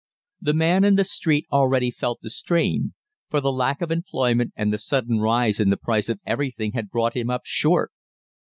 The man in the street already felt the strain, for the lack of employment and the sudden rise in the price of everything had brought him up short.